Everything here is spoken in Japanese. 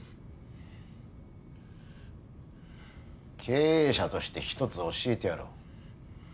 経営者として一つ教えてやろう。